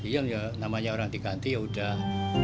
diam ya namanya orang dikanti ya udah